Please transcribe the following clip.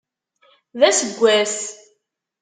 D aseggas.